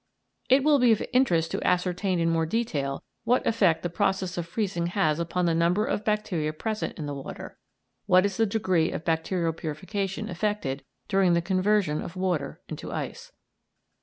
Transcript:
It will be of interest to ascertain in more detail what effect the process of freezing has upon the number of bacteria present in the water what is the degree of bacterial purification effected during the conversion of water into ice.